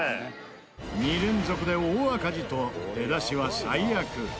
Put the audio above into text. ２連続で大赤字と出だしは最悪。